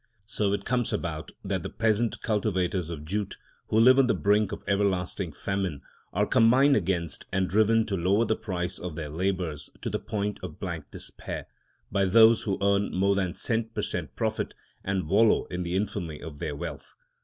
So it comes about that the peasant cultivators of jute, who live on the brink of everlasting famine, are combined against, and driven to lower the price of their labours to the point of blank despair, by those who earn more than cent per cent profit and wallow in the infamy of their wealth.